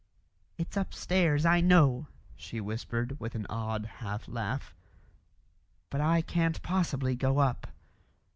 "It's upstairs, I know," she whispered, with an odd half laugh; "but I can't possibly go up."